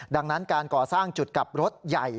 ดังนั้นการก่อสร้างจุดกลับรถใหญ่